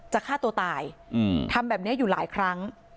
ฆ่าตัวตายทำแบบนี้อยู่หลายครั้ง